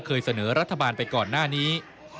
เคยเสนอรัฐบาลไปก่อนหน้านี้